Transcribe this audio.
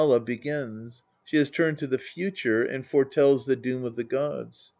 LXXIX begins ; she has turned to the future, and foretells the Doom of the gods.